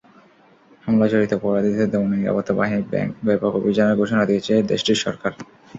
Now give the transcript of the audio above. হামলায় জড়িত অপরাধীদের দমনে নিরাপত্তা বাহিনীর ব্যাপক অভিযানের ঘোষণা দিয়েছে দেশটির সরকার।